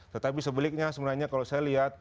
tetapi sebaliknya sebenarnya kalau saya lihat